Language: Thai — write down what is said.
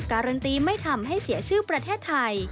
การันตีไม่ทำให้เสียชื่อประเทศไทย